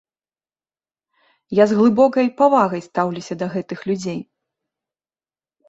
Я з глыбокай павагай стаўлюся да гэтых людзей.